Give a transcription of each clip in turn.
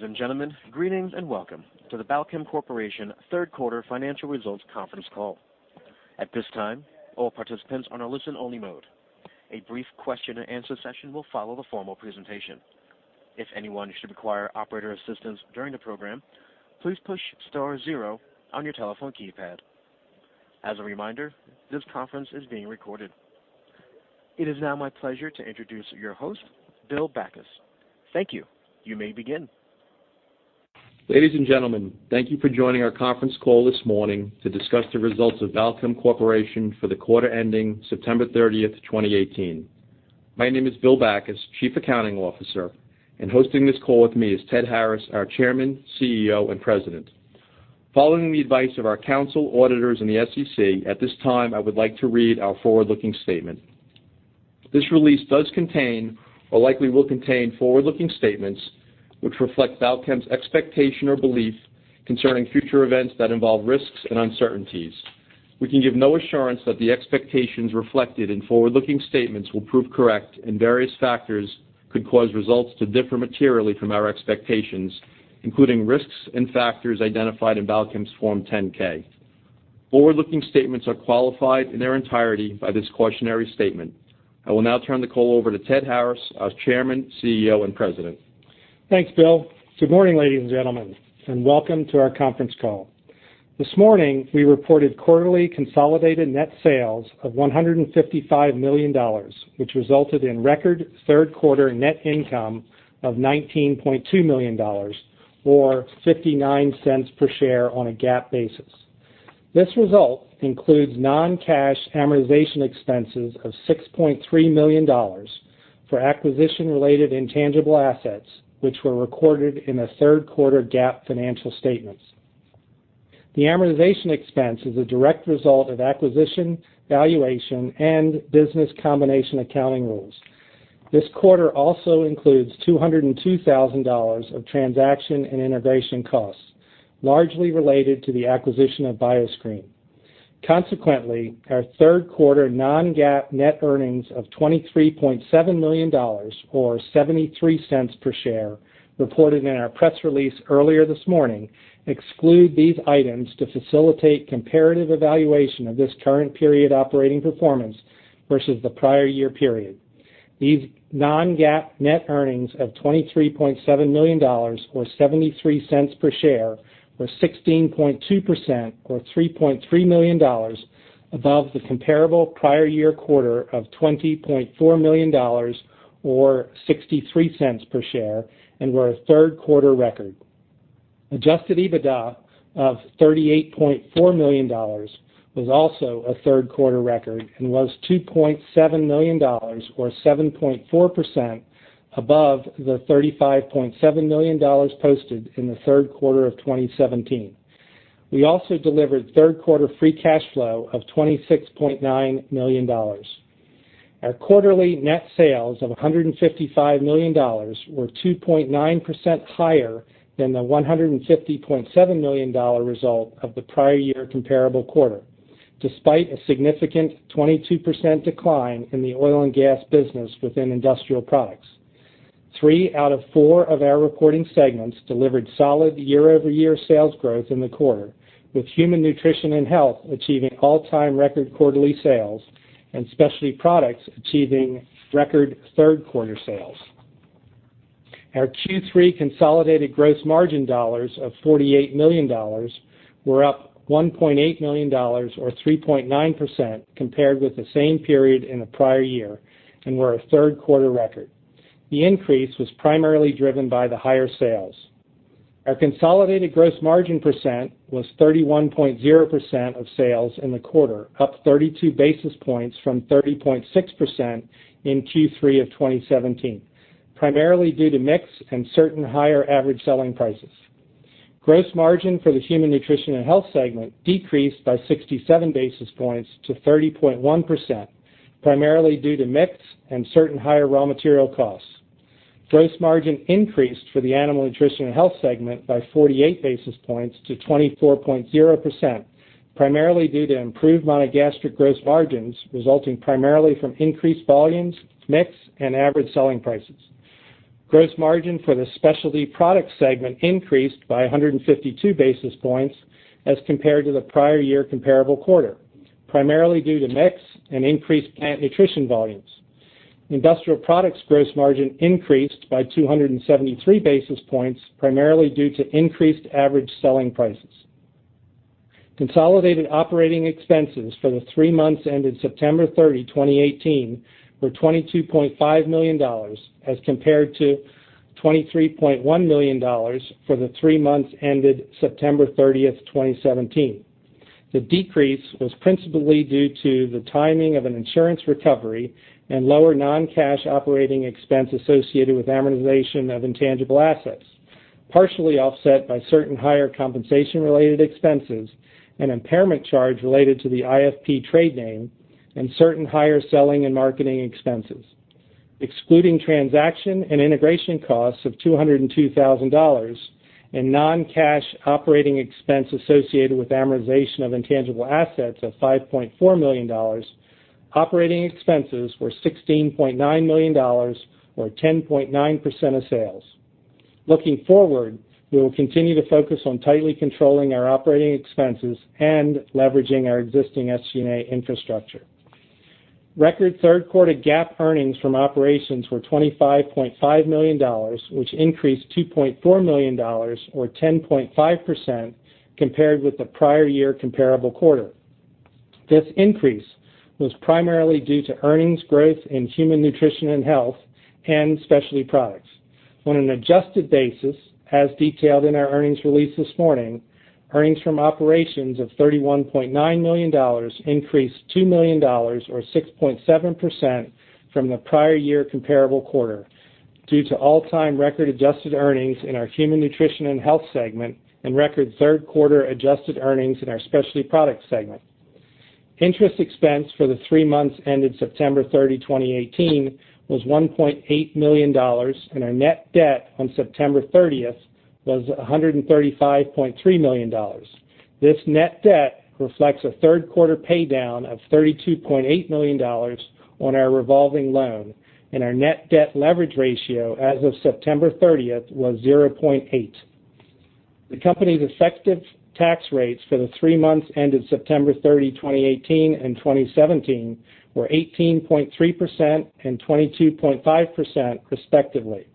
Ladies and gentlemen, greetings and welcome to the Balchem Corporation third quarter financial results conference call. At this time, all participants are on a listen-only mode. A brief question and answer session will follow the formal presentation. If anyone should require operator assistance during the program, please push star zero on your telephone keypad. As a reminder, this conference is being recorded. It is now my pleasure to introduce your host, Bill Backus. Thank you. You may begin. Ladies and gentlemen, thank you for joining our conference call this morning to discuss the results of Balchem Corporation for the quarter ending September 30th, 2018. My name is Bill Backus, Chief Accounting Officer, and hosting this call with me is Ted Harris, our Chairman, CEO, and President. Following the advice of our council, auditors, and the SEC, at this time, I would like to read our forward-looking statement. This release does contain or likely will contain forward-looking statements which reflect Balchem's expectation or belief concerning future events that involve risks and uncertainties. We can give no assurance that the expectations reflected in forward-looking statements will prove correct, and various factors could cause results to differ materially from our expectations, including risks and factors identified in Balchem's Form 10-K. Forward-looking statements are qualified in their entirety by this cautionary statement. I will now turn the call over to Ted Harris, our Chairman, CEO, and President. Thanks, Bill. Good morning, ladies and gentlemen, and welcome to our conference call. This morning, we reported quarterly consolidated net sales of $155 million, which resulted in record third-quarter net income of $19.2 million or $0.59 per share on a GAAP basis. This result includes non-cash amortization expenses of $6.3 million for acquisition-related intangible assets, which were recorded in the third quarter GAAP financial statements. The amortization expense is a direct result of acquisition, valuation, and business combination accounting rules. This quarter also includes $202,000 of transaction and integration costs, largely related to the acquisition of Bioscreen. Our third quarter non-GAAP net earnings of $23.7 million, or $0.73 per share, reported in our press release earlier this morning exclude these items to facilitate comparative evaluation of this current period operating performance versus the prior year period. These non-GAAP net earnings of $23.7 million, or $0.73 per share, were 16.2%, or $3.3 million above the comparable prior year quarter of $20.4 million, or $0.63 per share, and were a third quarter record. Adjusted EBITDA of $38.4 million was also a third quarter record and was $2.7 million, or 7.4% above the $35.7 million posted in the third quarter of 2017. We also delivered third quarter free cash flow of $26.9 million. Our quarterly net sales of $155 million were 2.9% higher than the $150.7 million result of the prior year comparable quarter, despite a significant 22% decline in the oil and gas business within Industrial Products. Three out of four of our reporting segments delivered solid year-over-year sales growth in the quarter, with Human Nutrition and Health achieving all-time record quarterly sales and Specialty Products achieving record third quarter sales. Our Q3 consolidated gross margin dollars of $48 million were up $1.8 million or 3.9% compared with the same period in the prior year and were a third quarter record. The increase was primarily driven by the higher sales. Our consolidated gross margin percent was 31.0% of sales in the quarter, up 32 basis points from 30.6% in Q3 of 2017, primarily due to mix and certain higher average selling prices. Gross margin for the Human Nutrition and Health segment decreased by 67 basis points to 30.1%, primarily due to mix and certain higher raw material costs. Gross margin increased for the Animal Nutrition and Health segment by 48 basis points to 24.0%, primarily due to improved monogastric gross margins, resulting primarily from increased volumes, mix, and average selling prices. Gross margin for the Specialty Products segment increased by 152 basis points as compared to the prior year comparable quarter, primarily due to mix and increased plant nutrition volumes. Industrial Products gross margin increased by 273 basis points, primarily due to increased average selling prices. Consolidated operating expenses for the three months ended September 30, 2018, were $22.5 million as compared to $23.1 million for the three months ended September 30, 2017. The decrease was principally due to the timing of an insurance recovery and lower non-cash operating expense associated with amortization of intangible assets, partially offset by certain higher compensation-related expenses, an impairment charge related to the IFP trade name, and certain higher selling and marketing expenses. Excluding transaction and integration costs of $202,000 and non-cash operating expense associated with amortization of intangible assets of $5.4 million. Operating expenses were $16.9 million, or 10.9% of sales. Looking forward, we will continue to focus on tightly controlling our operating expenses and leveraging our existing SG&A infrastructure. Record third quarter GAAP earnings from operations were $25.5 million, which increased $2.4 million or 10.5%, compared with the prior year comparable quarter. This increase was primarily due to earnings growth in Human Nutrition and Health and Specialty Products. On an adjusted basis, as detailed in our earnings release this morning, earnings from operations of $31.9 million increased $2 million or 6.7% from the prior year comparable quarter due to all-time record adjusted earnings in our Human Nutrition and Health segment and record third-quarter adjusted earnings in our Specialty Products segment. Interest expense for the three months ended September 30, 2018, was $1.8 million, and our net debt on September 30 was $135.3 million. This net debt reflects a third-quarter paydown of $32.8 million on our revolving loan, and our net debt leverage ratio as of September 30th was 0.8. The company's effective tax rates for the three months ended September 30, 2018, and 2017 were 18.3% and 22.5%, respectively.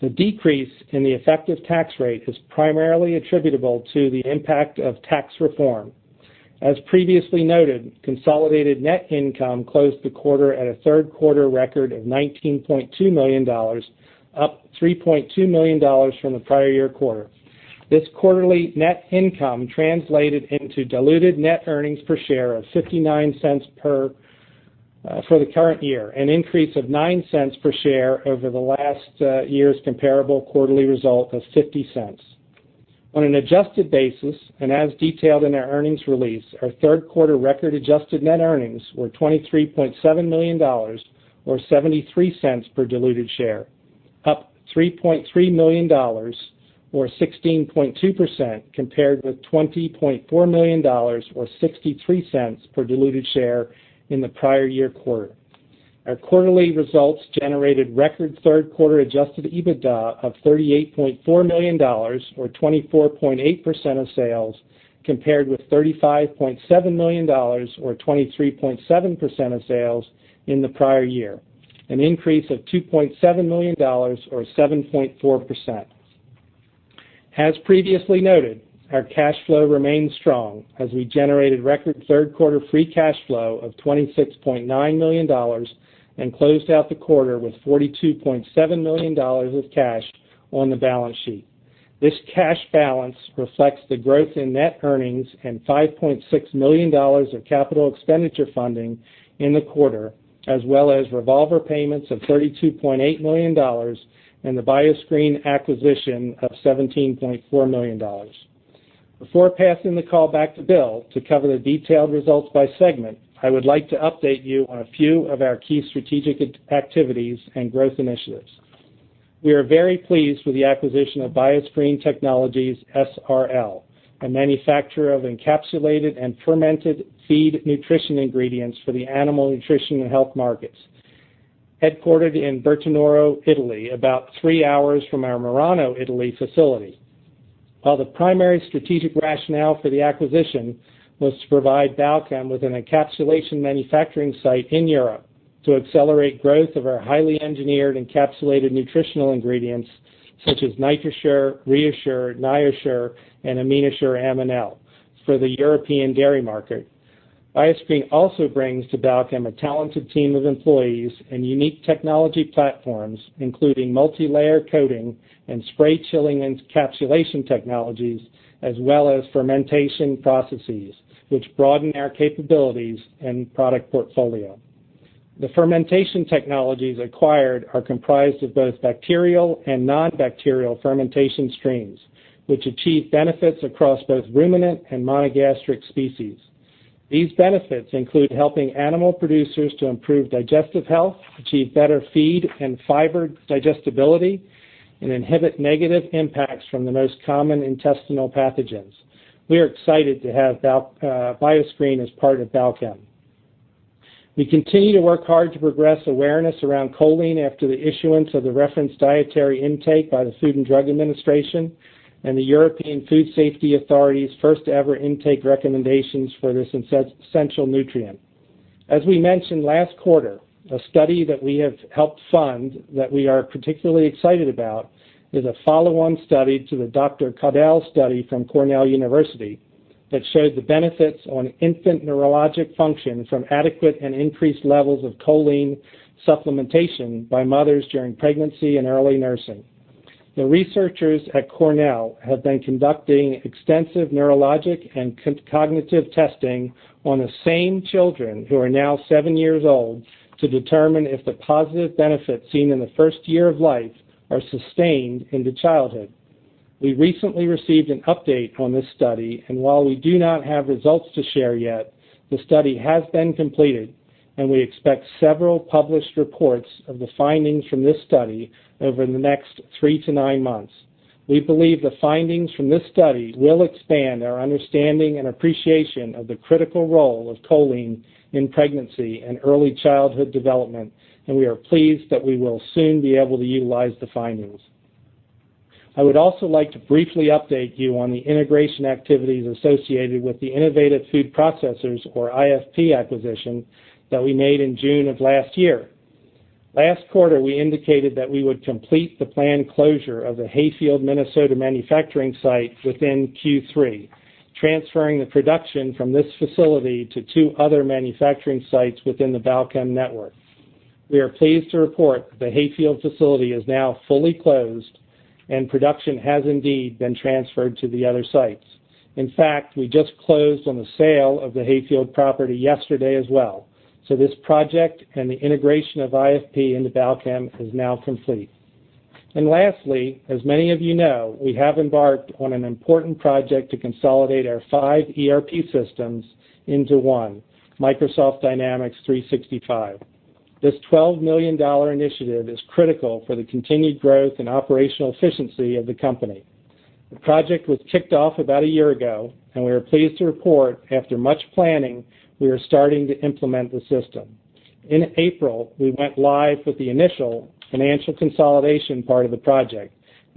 The decrease in the effective tax rate is primarily attributable to the impact of tax reform. As previously noted, consolidated net income closed the quarter at a third-quarter record of $19.2 million, up $3.2 million from the prior year quarter. This quarterly net income translated into diluted net earnings per share of $0.59 for the current year, an increase of $0.09 per share over the last year's comparable quarterly result of $0.50. On an adjusted basis, and as detailed in our earnings release, our third-quarter record adjusted net earnings were $23.7 million, or $0.73 per diluted share, up $3.3 million or 16.2%, compared with $20.4 million or $0.63 per diluted share in the prior year quarter. Our quarterly results generated record third-quarter adjusted EBITDA of $38.4 million or 24.8% of sales, compared with $35.7 million or 23.7% of sales in the prior year, an increase of $2.7 million or 7.4%. As previously noted, our cash flow remains strong as we generated record third-quarter free cash flow of $26.9 million and closed out the quarter with $42.7 million of cash on the balance sheet. This cash balance reflects the growth in net earnings and $5.6 million of capital expenditure funding in the quarter, as well as revolver payments of $32.8 million and the Bioscreen acquisition of $17.4 million. Before passing the call back to Bill to cover the detailed results by segment, I would like to update you on a few of our key strategic activities and growth initiatives. We are very pleased with the acquisition of Bioscreen Technologies S.r.l., a manufacturer of encapsulated and fermented feed nutrition ingredients for the animal nutrition and health markets, headquartered in Bertinoro, Italy, about three hours from our Marano, Italy facility. While the primary strategic rationale for the acquisition was to provide Balchem with an encapsulation manufacturing site in Europe to accelerate growth of our highly engineered encapsulated nutritional ingredients such as NitroShure, ReaShure, NiaShure, and AminoShure-M for the European dairy market. Bioscreen also brings to Balchem a talented team of employees and unique technology platforms, including multilayer coating and spray chilling encapsulation technologies, as well as fermentation processes, which broaden our capabilities and product portfolio. The fermentation technologies acquired are comprised of both bacterial and non-bacterial fermentation strains, which achieve benefits across both ruminant and monogastric species. These benefits include helping animal producers to improve digestive health, achieve better feed and fiber digestibility, and inhibit negative impacts from the most common intestinal pathogens. We are excited to have Bioscreen as part of Balchem. We continue to work hard to progress awareness around choline after the issuance of the Reference Daily Intake by the Food and Drug Administration and the European Food Safety Authority's first-ever intake recommendations for this essential nutrient. As we mentioned last quarter, a study that we have helped fund that we are particularly excited about is a follow-on study to the Dr. Caudill study from Cornell University that showed the benefits on infant neurologic function from adequate and increased levels of choline supplementation by mothers during pregnancy and early nursing. The researchers at Cornell have been conducting extensive neurologic and cognitive testing on the same children who are now seven years old to determine if the positive benefits seen in the first year of life are sustained into childhood. While we do not have results to share yet, the study has been completed, and we expect several published reports of the findings from this study over the next three to nine months. We believe the findings from this study will expand our understanding and appreciation of the critical role of choline in pregnancy and early childhood development, and we are pleased that we will soon be able to utilize the findings. I would also like to briefly update you on the integration activities associated with the Innovative Food Processors, or IFP acquisition that we made in June of last year. Last quarter, we indicated that we would complete the planned closure of the Hayfield, Minnesota manufacturing site within Q3, transferring the production from this facility to two other manufacturing sites within the Balchem network. We are pleased to report the Hayfield facility is now fully closed, and production has indeed been transferred to the other sites. In fact, we just closed on the sale of the Hayfield property yesterday as well. This project and the integration of IFP into Balchem is now complete. Lastly, as many of you know, we have embarked on an important project to consolidate our five ERP systems into one, Microsoft Dynamics 365. This $12 million initiative is critical for the continued growth and operational efficiency of the company. The project was kicked off about a year ago, and we are pleased to report, after much planning, we are starting to implement the system. In April, we went live with the initial financial consolidation part of the project.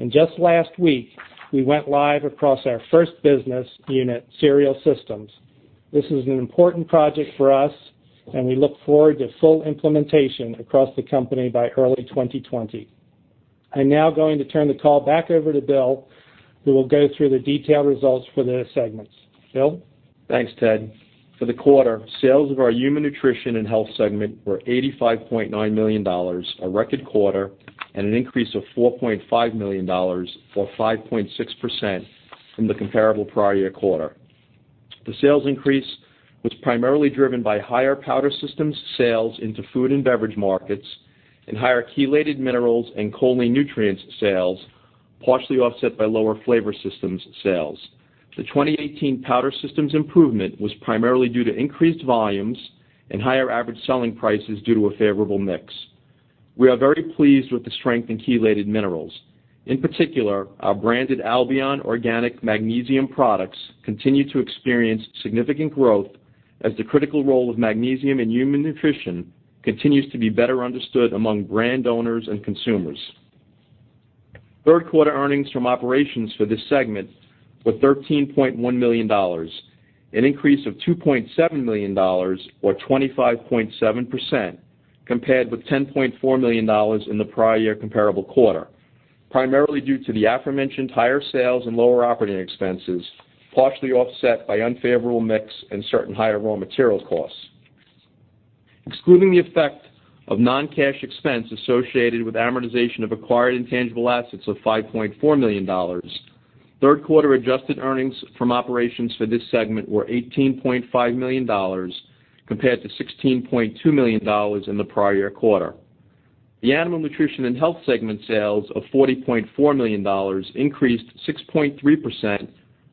Just last week, we went live across our first business unit, Cereal Systems. This is an important project for us, and we look forward to full implementation across the company by early 2020. I'm now going to turn the call back over to Bill, who will go through the detailed results for the segments. Bill? Thanks, Ted. For the quarter, sales of our Human Nutrition and Health Segment were $85.9 million, a record quarter, an increase of $4.5 million, or 5.6%, from the comparable prior year quarter. The sales increase was primarily driven by higher powder systems sales into food and beverage markets and higher chelated minerals and Choline Nutrients sales, partially offset by lower flavor systems sales. The 2018 powder systems improvement was primarily due to increased volumes and higher average selling prices due to a favorable mix. We are very pleased with the strength in chelated minerals. In particular, our branded Albion organic magnesium products continue to experience significant growth as the critical role of magnesium in human nutrition continues to be better understood among brand owners and consumers. Third quarter earnings from operations for this segment were $13.1 million, an increase of $2.7 million, or 25.7%, compared with $10.4 million in the prior year comparable quarter, primarily due to the aforementioned higher sales and lower operating expenses, partially offset by unfavorable mix and certain higher raw material costs. Excluding the effect of non-cash expense associated with amortization of acquired intangible assets of $5.4 million, third quarter adjusted earnings from operations for this segment were $18.5 million, compared to $16.2 million in the prior year quarter. The Animal Nutrition and Health segment sales of $40.4 million increased 6.3%,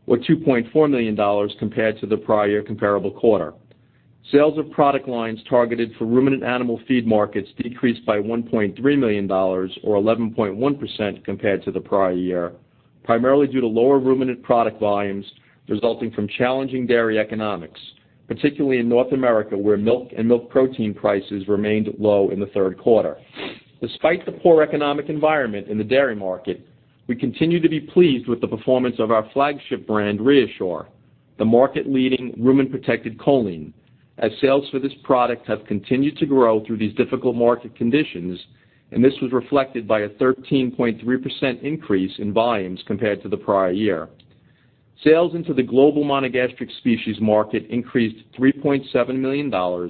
or $2.4 million compared to the prior comparable quarter. Sales of product lines targeted for ruminant animal feed markets decreased by $1.3 million or 11.1% compared to the prior year, primarily due to lower ruminant product volumes resulting from challenging dairy economics, particularly in North America, where milk and milk protein prices remained low in the third quarter. Despite the poor economic environment in the dairy market, we continue to be pleased with the performance of our flagship brand, ReaShure, the market-leading rumen-protected choline, as sales for this product have continued to grow through these difficult market conditions, and this was reflected by a 13.3% increase in volumes compared to the prior year. Sales into the global monogastric species market increased $3.7 million or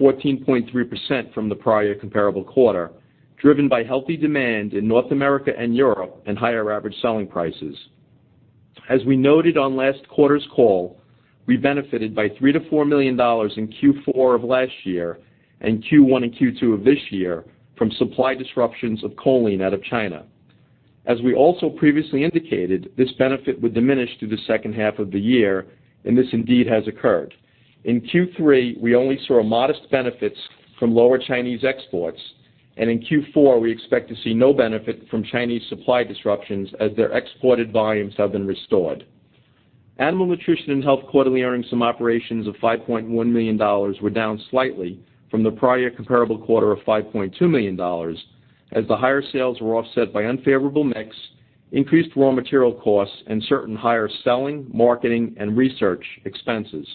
14.3% from the prior comparable quarter, driven by healthy demand in North America and Europe and higher average selling prices. As we noted on last quarter's call, we benefited by $3 million-$4 million in Q4 of last year and Q1 and Q2 of this year from supply disruptions of choline out of China. As we also previously indicated, this benefit would diminish through the second half of the year, and this indeed has occurred. In Q3, we only saw modest benefits from lower Chinese exports, and in Q4, we expect to see no benefit from Chinese supply disruptions as their exported volumes have been restored. Animal Nutrition and Health quarterly earnings from operations of $5.1 million were down slightly from the prior comparable quarter of $5.2 million, as the higher sales were offset by unfavorable mix, increased raw material costs, and certain higher selling, marketing, and research expenses.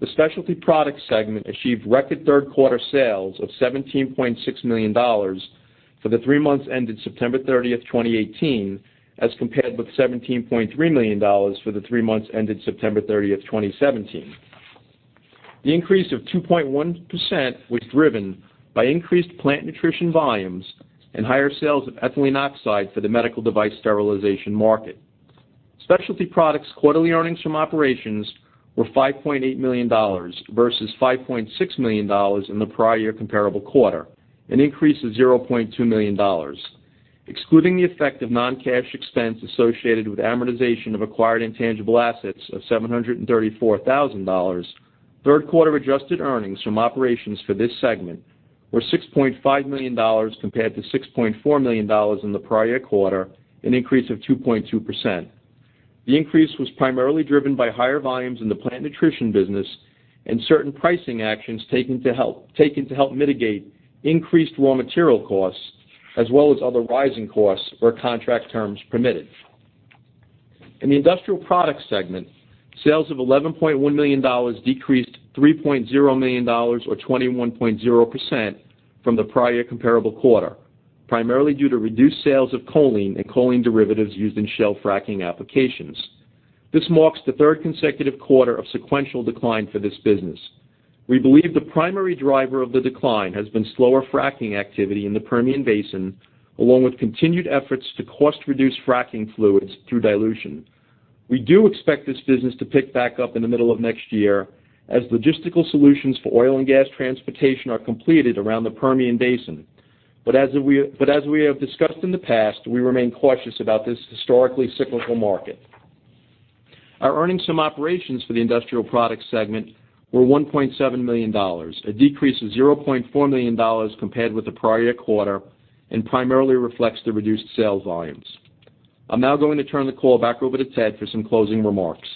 The Specialty Products segment achieved record third quarter sales of $17.6 million for the three months ended September 30th, 2018, as compared with $17.3 million for the three months ended September 30th, 2017. The increase of 2.1% was driven by increased plant nutrition volumes and higher sales of ethylene oxide for the medical device sterilization market. Specialty Products quarterly earnings from operations were $5.8 million versus $5.6 million in the prior year comparable quarter, an increase of $0.2 million. Excluding the effect of non-cash expense associated with amortization of acquired intangible assets of $734,000, third quarter adjusted earnings from operations for this segment were $6.5 million compared to $6.4 million in the prior quarter, an increase of 2.2%. The increase was primarily driven by higher volumes in the plant nutrition business and certain pricing actions taken to help mitigate increased raw material costs, as well as other rising costs where contract terms permitted. In the Industrial Products segment, sales of $11.1 million decreased $3.0 million or 21.0% from the prior comparable quarter, primarily due to reduced sales of choline and choline derivatives used in shale fracking applications. This marks the third consecutive quarter of sequential decline for this business. We believe the primary driver of the decline has been slower fracking activity in the Permian Basin, along with continued efforts to cost reduce fracking fluids through dilution. We do expect this business to pick back up in the middle of next year as logistical solutions for oil and gas transportation are completed around the Permian Basin. As we have discussed in the past, we remain cautious about this historically cyclical market. Our earnings from operations for the Industrial Products segment were $1.7 million, a decrease of $0.4 million compared with the prior quarter, and primarily reflects the reduced sales volumes. I'm now going to turn the call back over to Ted for some closing remarks.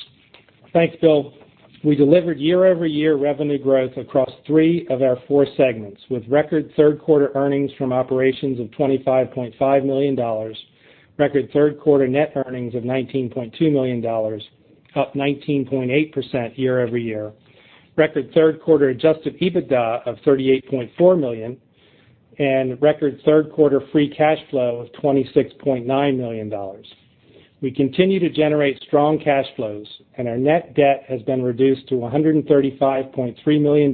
Thanks, Bill. We delivered year-over-year revenue growth across three of our four segments, with record third quarter earnings from operations of $25.5 million, record third quarter net earnings of $19.2 million, up 19.8% year-over-year, record third quarter adjusted EBITDA of $38.4 million, and record third quarter free cash flow of $26.9 million. We continue to generate strong cash flows, and our net debt has been reduced to $135.3 million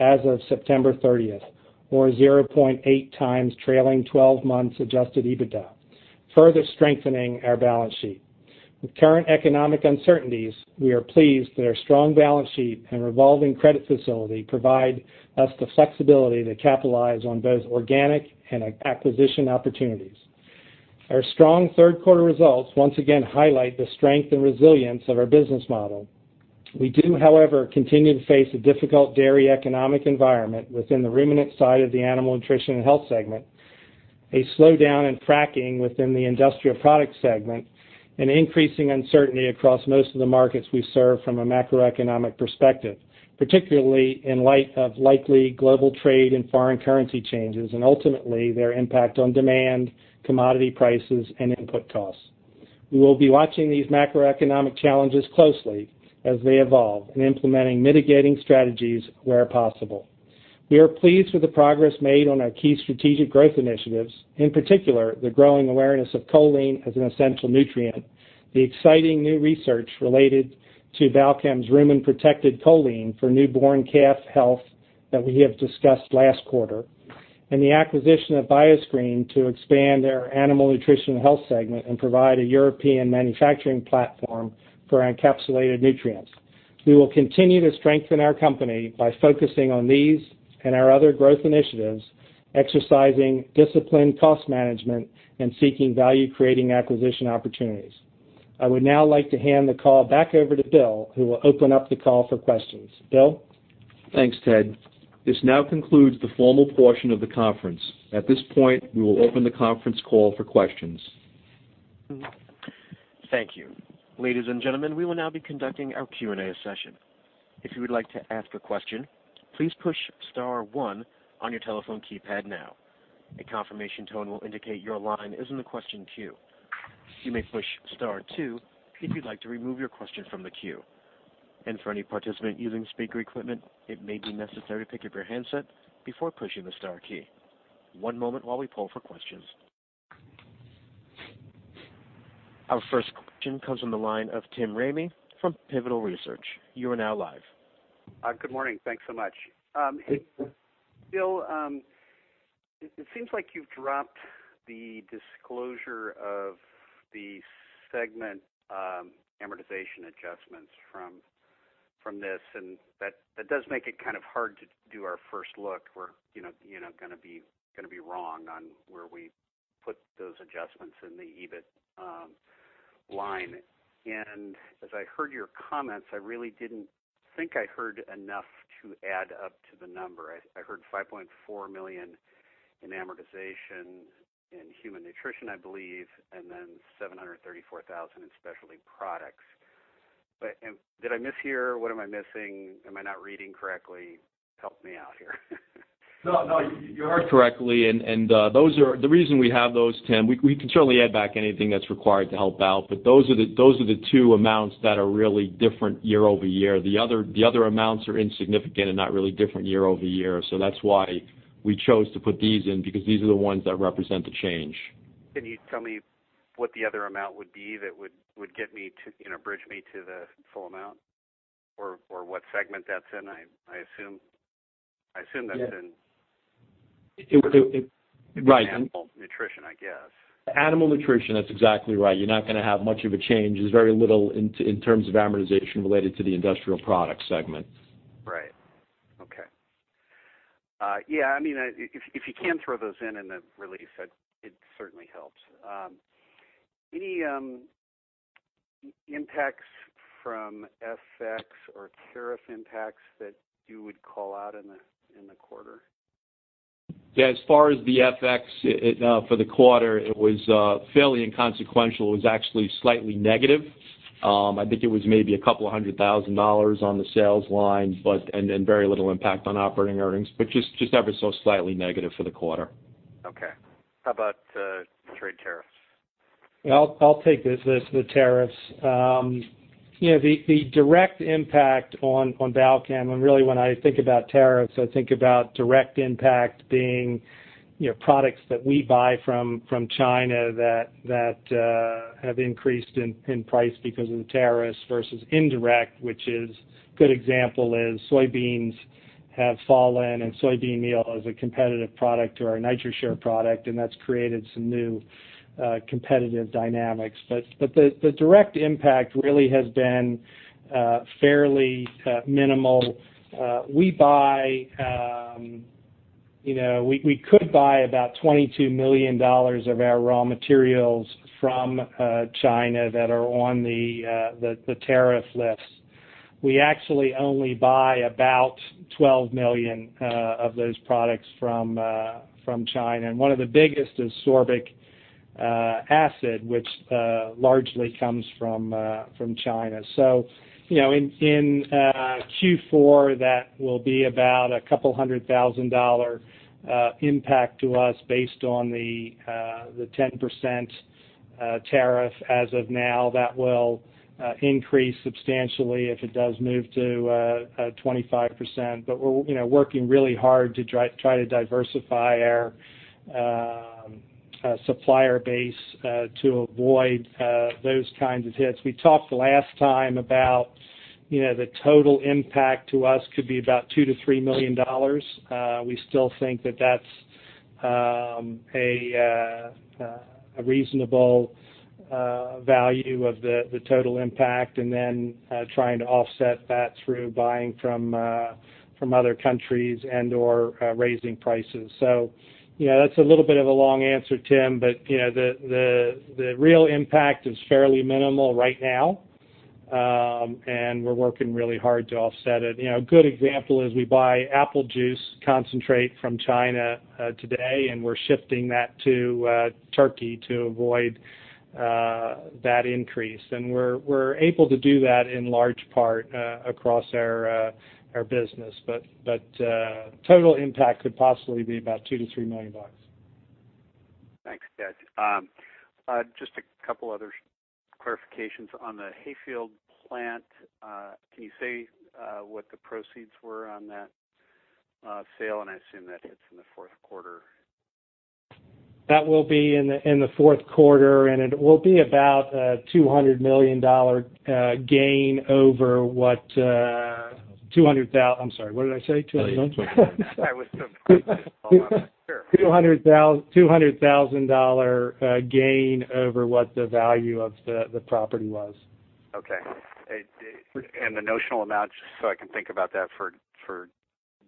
as of September 30th, or 0.8 times trailing 12 months adjusted EBITDA, further strengthening our balance sheet. With current economic uncertainties, we are pleased that our strong balance sheet and revolving credit facility provide us the flexibility to capitalize on both organic and acquisition opportunities. Our strong third quarter results once again highlight the strength and resilience of our business model. We do, however, continue to face a difficult dairy economic environment within the ruminant side of the Animal Nutrition and Health segment, a slowdown in fracking within the Industrial Products segment, and increasing uncertainty across most of the markets we serve from a macroeconomic perspective, particularly in light of likely global trade and foreign currency changes and ultimately their impact on demand, commodity prices, and input costs. We will be watching these macroeconomic challenges closely as they evolve and implementing mitigating strategies where possible. We are pleased with the progress made on our key strategic growth initiatives, in particular, the growing awareness of choline as an essential nutrient, the exciting new research related to Balchem's rumen-protected choline for newborn calf health that we have discussed last quarter, and the acquisition of Bioscreen to expand our Animal Nutrition and Health segment and provide a European manufacturing platform for encapsulated nutrients. We will continue to strengthen our company by focusing on these and our other growth initiatives, exercising disciplined cost management, and seeking value-creating acquisition opportunities. I would now like to hand the call back over to Bill, who will open up the call for questions. Bill? Thanks, Ted. This now concludes the formal portion of the conference. At this point, we will open the conference call for questions. Thank you. Ladies and gentlemen, we will now be conducting our Q&A session. If you would like to ask a question, please push star one on your telephone keypad now. A confirmation tone will indicate your line is in the question queue. You may push star two if you'd like to remove your question from the queue. For any participant using speaker equipment, it may be necessary to pick up your handset before pushing the star key. One moment while we poll for questions. Our first question comes on the line of Tim Ramey from Pivotal Research. You are now live. Good morning. Thanks so much. Hey, Tim. Bill, it seems like you've dropped the disclosure of the segment amortization adjustments from this. That does make it kind of hard to do our first look. We're going to be wrong on where we put those adjustments in the EBIT line. As I heard your comments, I really didn't think I heard enough to add up to the number. I heard $5.4 million in amortization in Human Nutrition, I believe, and then $734,000 in Specialty Products. Did I mishear? What am I missing? Am I not reading correctly? Help me out here. No, you heard correctly. The reason we have those, Tim, we can certainly add back anything that's required to help out. Those are the two amounts that are really different year-over-year. The other amounts are insignificant and not really different year-over-year. That's why we chose to put these in, because these are the ones that represent the change. Can you tell me what the other amount would be that would bridge me to the full amount? What segment that's in? Right. Animal nutrition, I guess. Animal nutrition, that's exactly right. You're not going to have much of a change. There's very little in terms of amortization related to the industrial products segment. Right. Okay. Yeah, if you can throw those in the release, it certainly helps. Any impacts from FX or tariff impacts that you would call out in the quarter? Yeah, as far as the FX for the quarter, it was fairly inconsequential. It was actually slightly negative. I think it was maybe a couple of hundred thousand dollars on the sales line, and then very little impact on operating earnings, but just ever so slightly negative for the quarter. Okay. How about trade tariffs? Yeah, I'll take this, the tariffs. The direct impact on Balchem, really when I think about tariffs, I think about direct impact being, products that we buy from China that have increased in price because of the tariffs versus indirect, which is, good example is soybeans have fallen and soybean meal is a competitive product to our NitroShure product, and that's created some new competitive dynamics. The direct impact really has been fairly minimal. We could buy about $22 million of our raw materials from China that are on the tariff list. We actually only buy about $12 million of those products from China, and one of the biggest is sorbic acid, which largely comes from China. In Q4, that will be about a couple hundred thousand dollar impact to us based on the 10% tariff as of now. That will increase substantially if it does move to 25%. We're working really hard to try to diversify our supplier base to avoid those kinds of hits. We talked last time about the total impact to us could be about $2 million to $3 million. We still think that that's a reasonable value of the total impact and then trying to offset that through buying from other countries and/or raising prices. That's a little bit of a long answer, Tim, the real impact is fairly minimal right now. We're working really hard to offset it. A good example is we buy apple juice concentrate from China today, and we're shifting that to Turkey to avoid that increase. We're able to do that in large part across our business. Total impact could possibly be about $2 million to $3 million. Thanks, guys. Just a couple other clarifications. On the Hayfield plant, can you say what the proceeds were on that sale? I assume that hits in the fourth quarter. That will be in the fourth quarter. It will be about a $200 million gain over $200,000. I'm sorry, what did I say? 200 million? I was confused. Sure. $200,000 gain over what the value of the property was. Okay. The notional amount, just so I can think about that for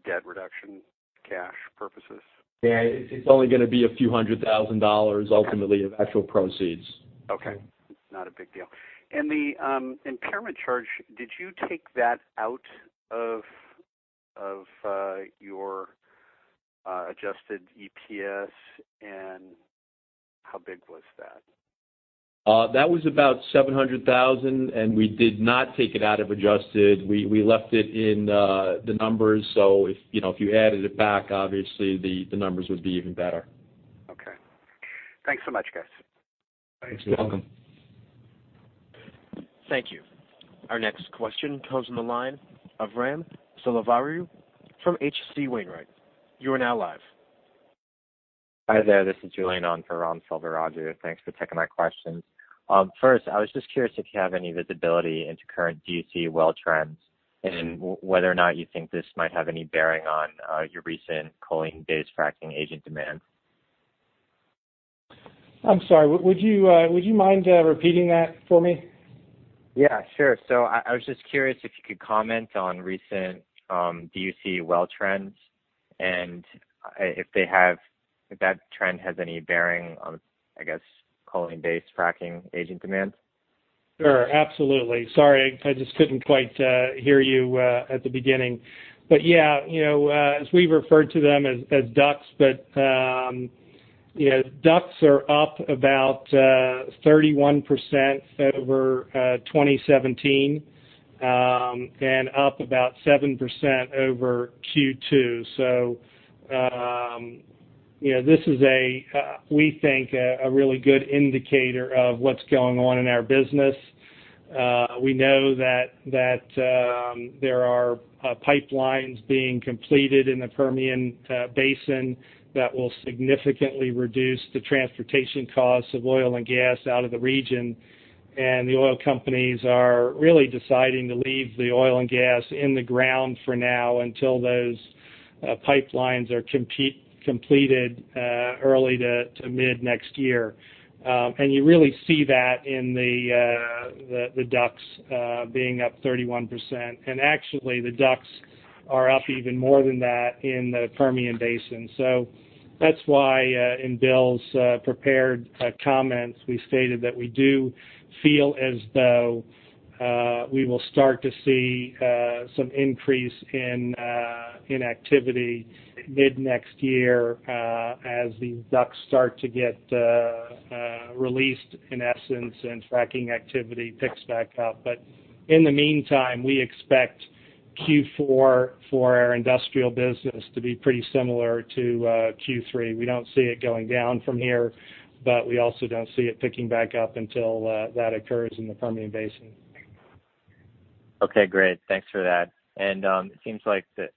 debt reduction cash purposes. Yeah, it's only going to be a few hundred thousand dollars ultimately. Okay Of actual proceeds. Okay. It's not a big deal. The impairment charge, did you take that out of your adjusted EPS, and how big was that? That was about $700,000, and we did not take it out of adjusted. We left it in the numbers. If you added it back, obviously the numbers would be even better. Okay. Thanks so much, guys. Thanks. You're welcome. Thank you. Our next question comes on the line of Ram Selvaraju from H.C. Wainwright. You are now live. Hi there. This is Julian on for Ram Selvaraju. Thanks for taking my questions. First, I was just curious if you have any visibility into current DUC well trends and whether or not you think this might have any bearing on your recent proppant fracking agent demand. I'm sorry, would you mind repeating that for me? Yeah, sure. I was just curious if you could comment on recent DUC well trends and if that trend has any bearing on, I guess, proppant fracking agent demand. Sure, absolutely. Sorry, I just couldn't quite hear you at the beginning. Yeah. As we've referred to them as DUCs, but DUCs are up about 31% over 2017, and up about 7% over Q2. This is, we think, a really good indicator of what's going on in our business. We know that there are pipelines being completed in the Permian Basin that will significantly reduce the transportation costs of oil and gas out of the region. The oil companies are really deciding to leave the oil and gas in the ground for now until those pipelines are completed early to mid next year. You really see that in the DUCs being up 31%. Actually, the DUCs are up even more than that in the Permian Basin. That's why, in Bill's prepared comments, we stated that we do feel as though we will start to see some increase in activity mid next year as these DUCs start to get released in essence and fracking activity picks back up. In the meantime, we expect Q4 for our industrial business to be pretty similar to Q3. We don't see it going down from here, but we also don't see it picking back up until that occurs in the Permian Basin. Okay, great. Thanks for that. It seems like the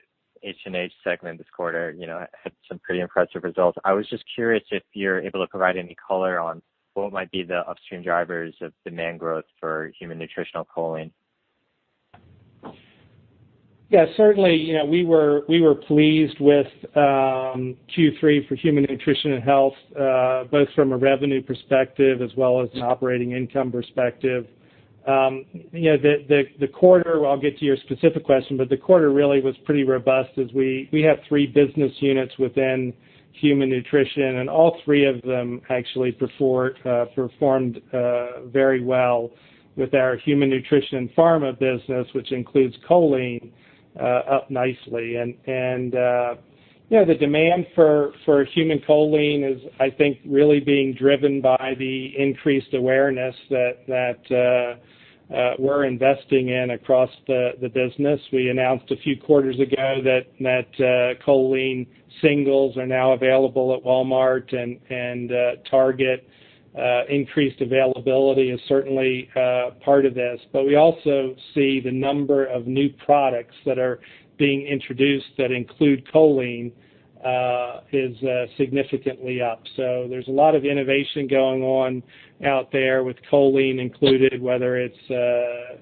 H&H segment this quarter had some pretty impressive results. I was just curious if you're able to provide any color on what might be the upstream drivers of demand growth for human nutritional choline. Yeah, certainly, we were pleased with Q3 for Human Nutrition & Health, both from a revenue perspective as well as an operating income perspective. I'll get to your specific question, the quarter really was pretty robust as we have three business units within Human Nutrition, and all three of them actually performed very well with our Human Nutrition & Pharma business, which includes choline, up nicely. The demand for human choline is, I think, really being driven by the increased awareness that we're investing in across the business. We announced a few quarters ago that choline singles are now available at Walmart and Target. Increased availability is certainly part of this. We also see the number of new products that are being introduced that include choline is significantly up. There's a lot of innovation going on out there with choline included, whether it's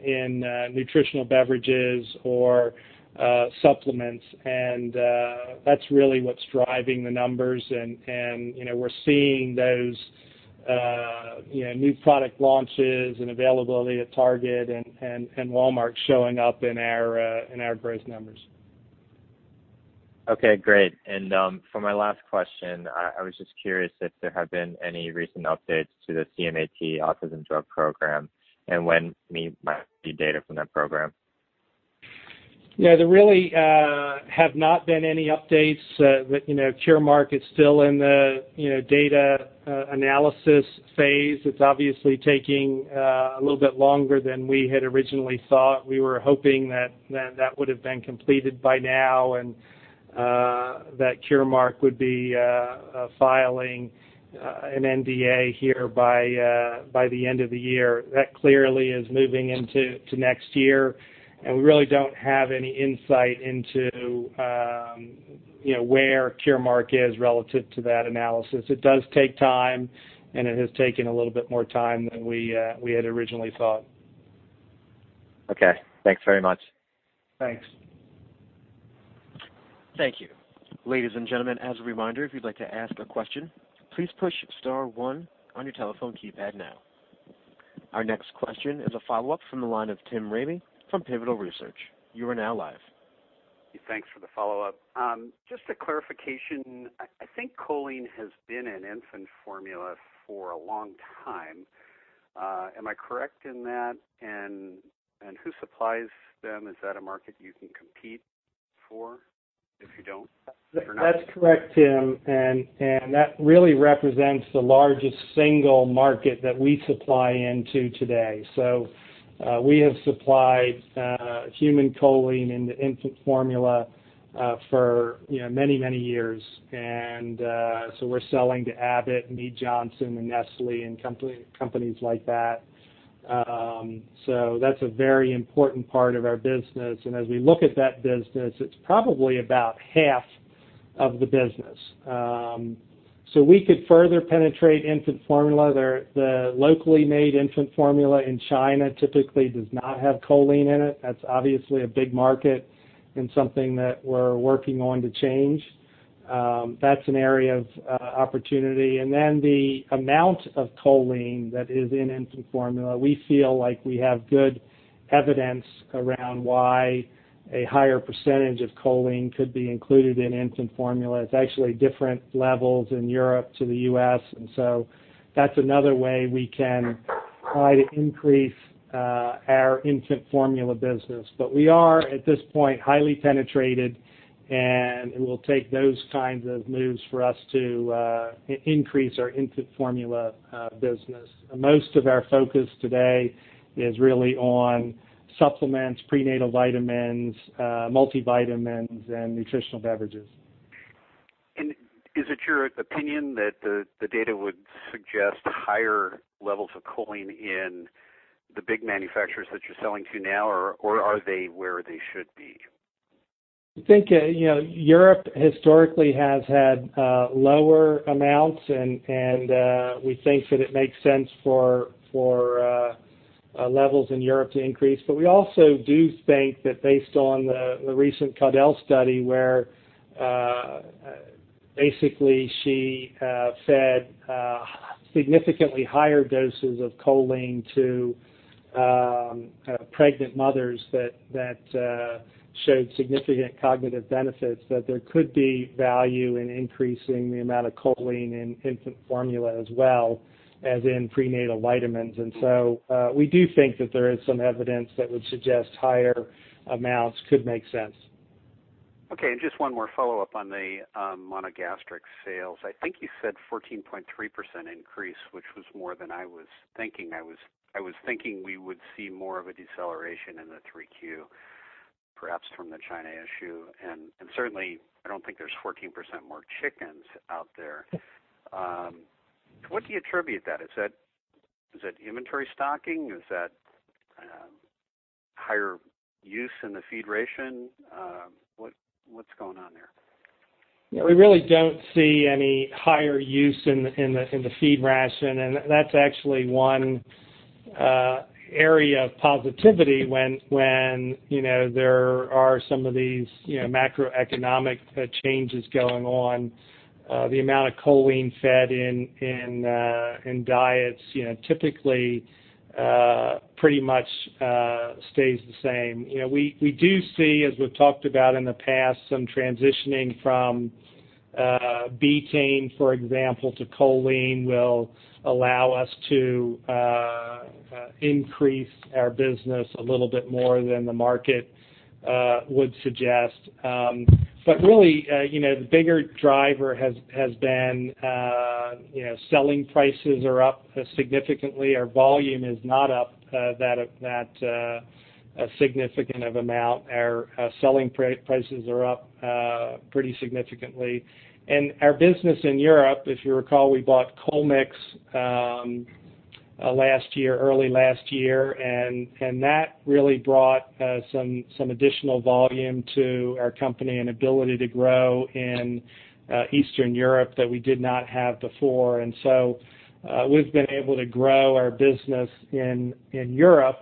in nutritional beverages or supplements. That's really what's driving the numbers and we're seeing those new product launches and availability at Target and Walmart showing up in our growth numbers. Okay, great. For my last question, I was just curious if there have been any recent updates to the CM-AT autism drug program and when we might see data from that program. Yeah, there really have not been any updates. Curemark is still in the data analysis phase. It's obviously taking a little bit longer than we had originally thought. We were hoping that that would've been completed by now and that Curemark would be filing an NDA here by the end of the year. That clearly is moving into next year, and we really don't have any insight into where Curemark is relative to that analysis. It does take time, and it has taken a little bit more time than we had originally thought. Okay. Thanks very much. Thanks. Thank you. Ladies and gentlemen, as a reminder, if you'd like to ask a question, please push star one on your telephone keypad now. Our next question is a follow-up from the line of Tim Ramey from Pivotal Research. You are now live. Thanks for the follow-up. Just a clarification. I think choline has been in infant formula for a long time. Am I correct in that? Who supplies them? Is that a market you can compete for if you don't or not? That's correct, Tim. That really represents the largest single market that we supply into today. We have supplied human choline in the infant formula for many, many years. We're selling to Abbott, Mead Johnson and Nestlé and companies like that. That's a very important part of our business. As we look at that business, it's probably about half of the business. We could further penetrate infant formula. The locally made infant formula in China typically does not have choline in it. That's obviously a big market and something that we're working on to change. That's an area of opportunity. The amount of choline that is in infant formula, we feel like we have good evidence around why a higher percentage of choline could be included in infant formula. It's actually different levels in Europe to the U.S. That's another way we can try to increase our infant formula business. We are, at this point, highly penetrated, and it will take those kinds of moves for us to increase our infant formula business. Most of our focus today is really on supplements, prenatal vitamins, multivitamins, and nutritional beverages. Is it your opinion that the data would suggest higher levels of choline in the big manufacturers that you're selling to now, or are they where they should be? I think, Europe historically has had lower amounts. We think that it makes sense for levels in Europe to increase. We also do think that based on the recent Caudill study, where basically she said significantly higher doses of choline to pregnant mothers that showed significant cognitive benefits, that there could be value in increasing the amount of choline in infant formula as well as in prenatal vitamins. We do think that there is some evidence that would suggest higher amounts could make sense. Just one more follow-up on the monogastric sales. I think you said 14.3% increase, which was more than I was thinking. I was thinking we would see more of a deceleration in the 3Q, perhaps from the China issue. Certainly, I don't think there's 14% more chickens out there. To what do you attribute that? Is that inventory stocking? Is that higher use in the feed ration? What's going on there? Yeah. We really don't see any higher use in the feed ration. That's actually one area of positivity when there are some of these macroeconomic changes going on. The amount of choline fed in diets typically pretty much stays the same. We do see, as we've talked about in the past, some transitioning from betaine, for example, to choline will allow us to increase our business a little bit more than the market would suggest. Really, the bigger driver has been selling prices are up significantly. Our volume is not up that significant of amount. Our selling prices are up pretty significantly. Our business in Europe, if you recall, we bought Chemogas early last year, and that really brought some additional volume to our company and ability to grow in Eastern Europe that we did not have before. We've been able to grow our business in Europe,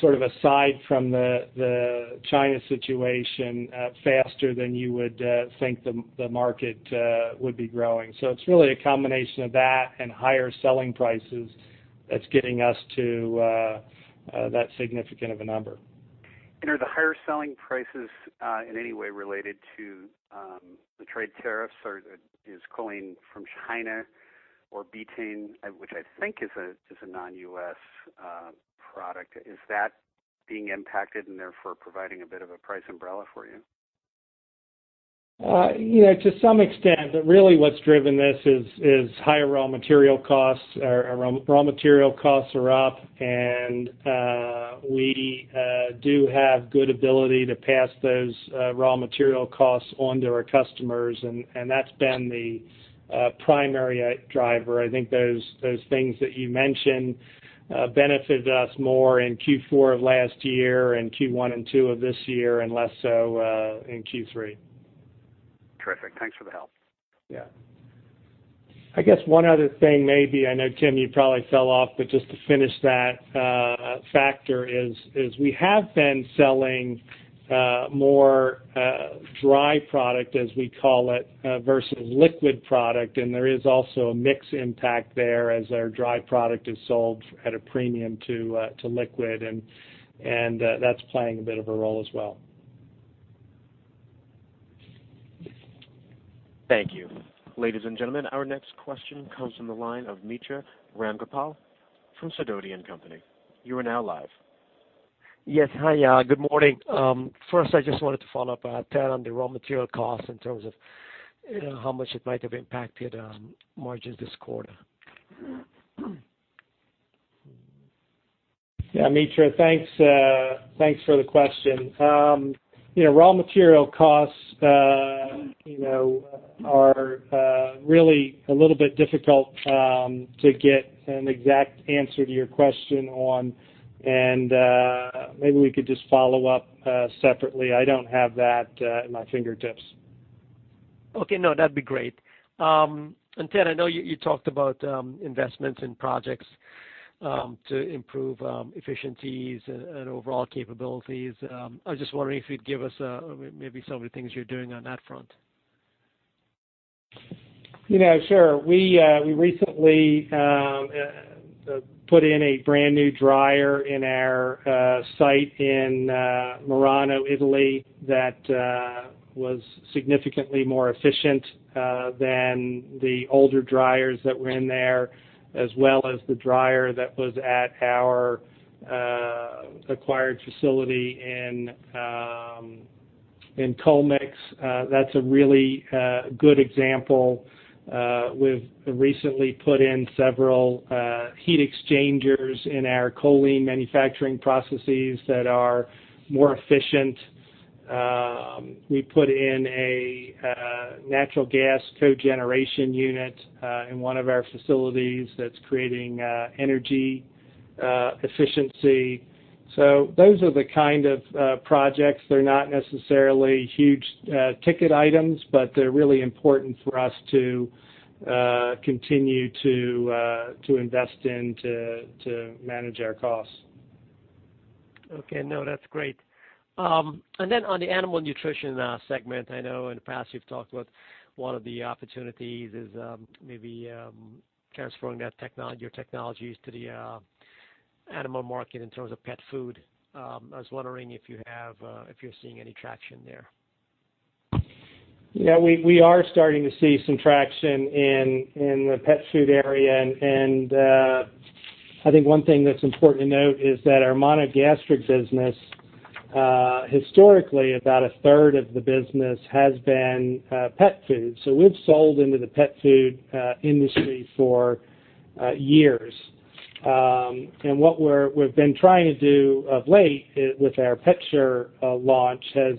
sort of aside from the China situation, faster than you would think the market would be growing. It's really a combination of that and higher selling prices that's getting us to that significant of a number. Are the higher selling prices in any way related to the trade tariffs, or is choline from China or betaine, which I think is a non-U.S. product, is that being impacted and therefore providing a bit of a price umbrella for you? To some extent, but really what's driven this is higher raw material costs. Our raw material costs are up, and we do have good ability to pass those raw material costs on to our customers, and that's been the primary driver. I think those things that you mentioned benefited us more in Q4 of last year and Q1 and 2 of this year, and less so in Q3. Terrific. Thanks for the help. Yeah. I guess one other thing, maybe, I know, Tim, you probably fell off, but just to finish that factor is we have been selling more dry product, as we call it, versus liquid product. There is also a mix impact there as our dry product is sold at a premium to liquid, and that's playing a bit of a role as well. Thank you. Ladies and gentlemen, our next question comes from the line of Mitra Ramgopal from Sidoti & Company. You are now live. Yes. Hi, good morning. First, I just wanted to follow up, Ted, on the raw material costs in terms of how much it might have impacted margins this quarter. Yeah, Mitra, thanks for the question. Raw material costs are really a little bit difficult to get an exact answer to your question on. Maybe we could just follow up separately. I don't have that at my fingertips. Okay. No, that'd be great. Ted, I know you talked about investments in projects to improve efficiencies and overall capabilities. I was just wondering if you'd give us maybe some of the things you're doing on that front. Sure. We recently put in a brand-new dryer in our site in Marano, Italy, that was significantly more efficient than the older dryers that were in there, as well as the dryer that was at our acquired facility in Chemogas. That's a really good example. We've recently put in several heat exchangers in our choline manufacturing processes that are more efficient. We put in a natural gas cogeneration unit in one of our facilities that's creating energy efficiency. Those are the kind of projects. They're not necessarily huge ticket items, they're really important for us to continue to invest in to manage our costs. Okay. No, that's great. On the animal nutrition segment, I know in the past you've talked about one of the opportunities is maybe transferring your technologies to the animal market in terms of pet food. I was wondering if you're seeing any traction there. Yeah. We are starting to see some traction in the pet food area, I think one thing that's important to note is that our monogastric business, historically, about a third of the business has been pet food. We've sold into the pet food industry for years. What we've been trying to do of late, with our PetShure launch, has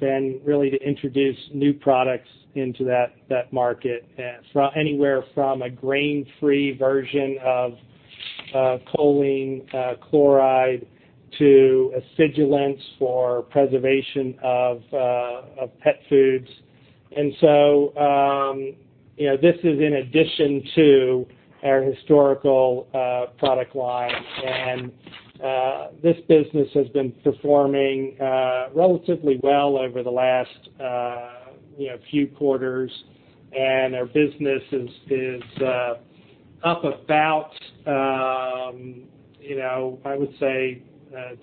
been really to introduce new products into that market, anywhere from a grain-free version of choline chloride to acidulants for preservation of pet foods. This is in addition to our historical product line. This business has been performing relatively well over the last few quarters, our business is up about, I would say,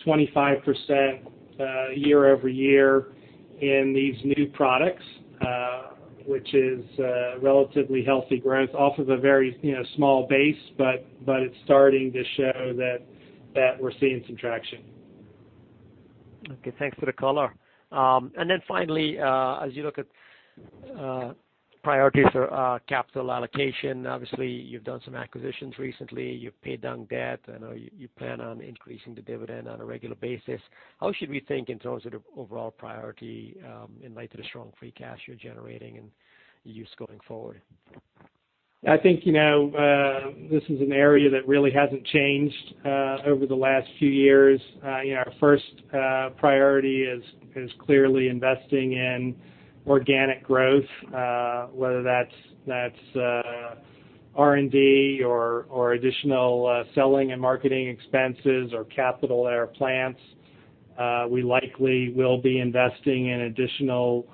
25% year-over-year in these new products, which is a relatively healthy growth off of a very small base, but it's starting to show that we're seeing some traction. Okay, thanks for the color. Finally, as you look at priorities for capital allocation, obviously, you've done some acquisitions recently. You've paid down debt, you plan on increasing the dividend on a regular basis. How should we think in terms of the overall priority, in light of the strong free cash you're generating and use going forward? I think, this is an area that really hasn't changed over the last few years. Our first priority is clearly investing in organic growth, whether that's R&D or additional selling and marketing expenses or capital at our plants. We likely will be investing in additional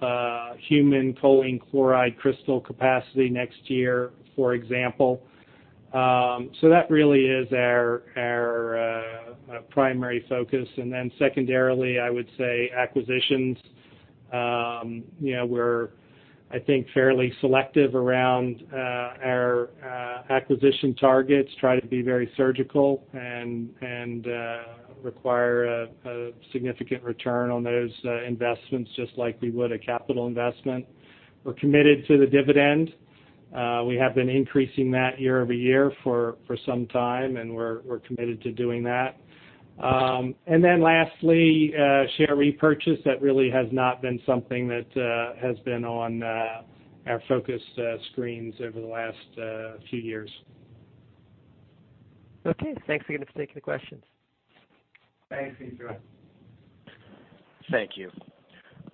human choline chloride crystal capacity next year, for example. That really is our primary focus. Secondarily, I would say acquisitions. We're, I think, fairly selective around our acquisition targets, try to be very surgical, require a significant return on those investments just like we would a capital investment. We're committed to the dividend. We have been increasing that year-over-year for some time, we're committed to doing that. Lastly, share repurchase. That really has not been something that has been on our focus screens over the last few years. Okay. Thanks again for taking the questions. Thanks, Mitra. Thank you.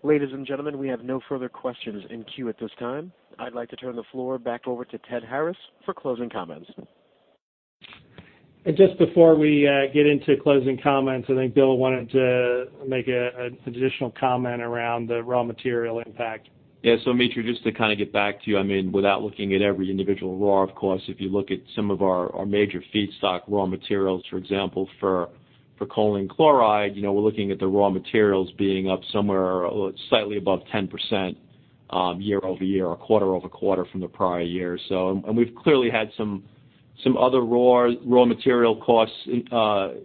Ladies and gentlemen, we have no further questions in queue at this time. I'd like to turn the floor back over to Ted Harris for closing comments. Just before we get into closing comments, I think Bill wanted to make an additional comment around the raw material impact. Mitra, just to kind of get back to you, without looking at every individual raw, of course, if you look at some of our major feedstock raw materials, for example, for choline chloride, we're looking at the raw materials being up somewhere slightly above 10% year-over-year or quarter-over-quarter from the prior year. We've clearly had some other raw material costs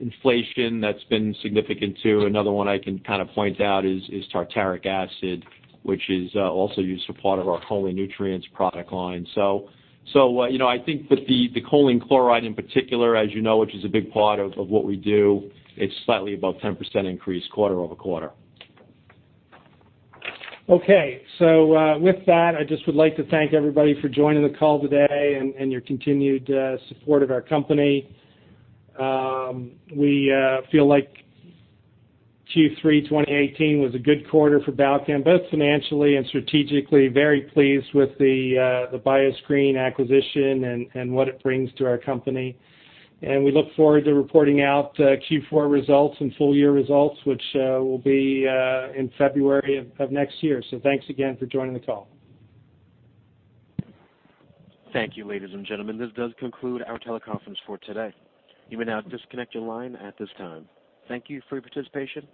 inflation that's been significant, too. Another one I can kind of point out is tartaric acid, which is also used for part of our Choline Nutrients product line. I think that the choline chloride in particular, as you know, which is a big part of what we do, it's slightly above 10% increase quarter-over-quarter. With that, I just would like to thank everybody for joining the call today and your continued support of our company. We feel like Q3 2018 was a good quarter for Balchem, both financially and strategically. Very pleased with the Bioscreen acquisition and what it brings to our company. We look forward to reporting out Q4 results and full year results, which will be in February of next year. Thanks again for joining the call. Thank you, ladies and gentlemen. This does conclude our teleconference for today. You may now disconnect your line at this time. Thank you for your participation.